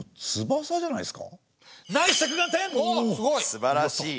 すばらしい。